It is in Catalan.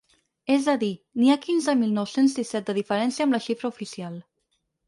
És a dir, n’hi ha quinze mil nou-cents disset de diferència amb la xifra oficial.